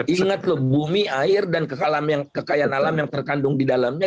ingat loh bumi air dan kekayaan alam yang terkandung di dalamnya